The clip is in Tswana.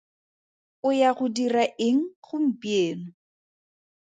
O ya go dira eng gompieno?